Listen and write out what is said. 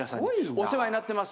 「お世話になってます。